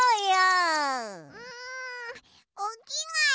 うんおきがえ